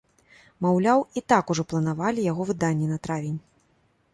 Маўляў, і так ужо планавалі яго выданне на травень.